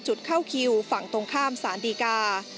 เข้าคิวฝั่งตรงข้ามสารดีกา